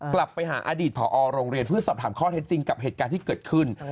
กลับไปหาอดีตผอโรงเรียนเพื่อสอบถามข้อเท็จจริงกับเหตุการณ์ที่เกิดขึ้น